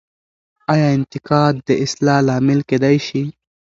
آیا انتقاد د اصلاح لامل کیدای سي؟